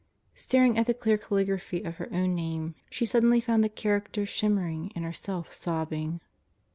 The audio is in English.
Staring at the clear calligraphy of her own name she suddenly found the characters shimmering and herself sobbing.